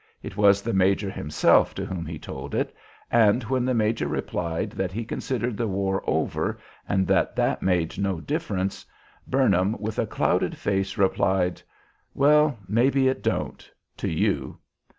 It was the major himself to whom he told it, and when the major replied that he considered the war over and that that made no difference, Burnham, with a clouded face replied, 'Well, mebbe it don't to you.'